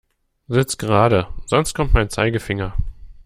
Sitz gerade, sonst kommt mein Zeigefinger.